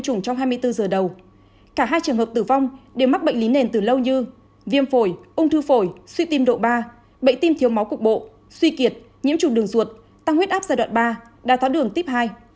cả hai trường hợp tử vong đều mắc bệnh lý nền từ lâu như viêm phổi ung thư phổi suy tim độ ba đa thóa đường tiếp hai